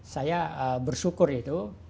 saya bersyukur itu